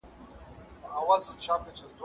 ملا د غږ په لټه کې کوټه وکتله.